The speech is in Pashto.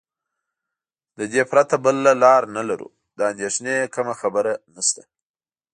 له دې پرته بله لار نه لرو، د اندېښنې کومه خبره نشته.